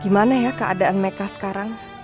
gimana ya keadaan mereka sekarang